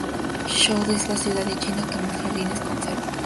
Suzhou es la ciudad de China que más jardines conserva.